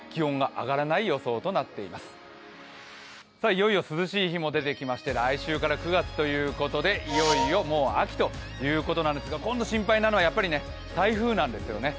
いよいよ涼しい日も出てきまして、来週から９月ということで、いよいよもう秋ということなんですが、今度、心配なのは台風なんですよね